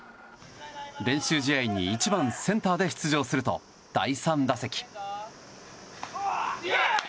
練習試合に１番センターで出場すると第３打席。